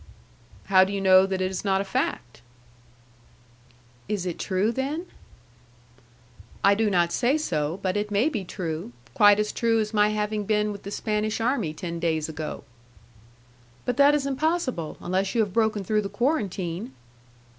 "How do you know that it is not a fact?" "Is it true, then?" "I do not say so, but it may be true, quite as true as my having been with the Spanish army ten days ago." "But that is impossible, unless you have broken through the quarantine."